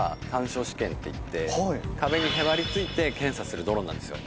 壁にへばりついて検査するドローンなんですよ。